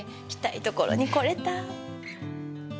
来たいところに来れた。